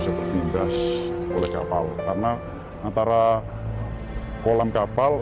salah satu contoh kebakaran di kamar mesin